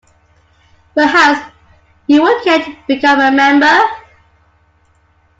Perhaps you would care to become a member?